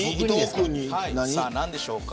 さあ何でしょうか。